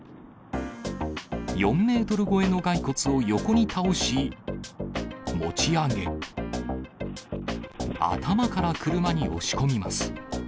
４メートル超えの骸骨を横に倒し、持ち上げ、頭から車に押し込みます。